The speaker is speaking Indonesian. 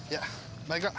ya baik pak